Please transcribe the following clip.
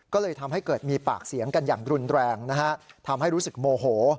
ก็เลยทำให้เกิดมีปากเสียงกันอย่างรุนแรงนะฮะทำให้รู้สึกโมโห